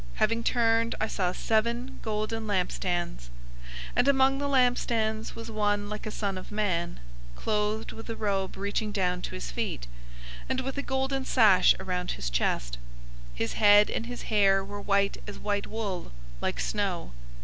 Having turned, I saw seven golden lampstands. 001:013 And among the lampstands was one like a son of man,{Daniel 7:13} clothed with a robe reaching down to his feet, and with a golden sash around his chest. 001:014 His head and his hair were white as white wool, like snow.